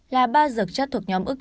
là ba dược chất thuộc nhóm ức